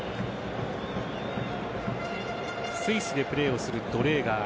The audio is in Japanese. スイスでプレーをするドレーガー。